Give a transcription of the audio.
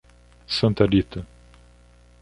Santa Rita